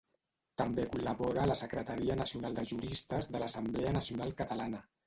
També col·labora a la secretaria nacional de juristes de l'Assemblea Nacional Catalana.